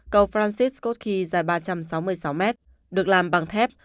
cầu francis scott key dài ba trăm sáu mươi sáu mét được làm bằng thép